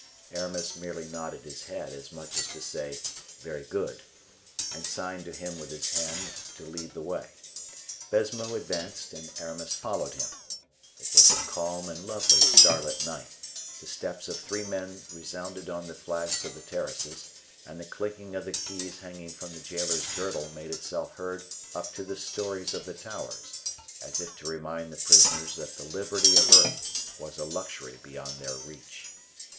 Aramis merely nodded his head, as much as to say, "Very good"; and signed to him with his hand to lead the way. Baisemeaux advanced, and Aramis followed him. It was a calm and lovely starlit night; the steps of three men resounded on the flags of the terraces, and the clinking of the keys hanging from the jailer's girdle made itself heard up to the stories of the towers, as if to remind the prisoners that the liberty of earth was a luxury beyond their reach.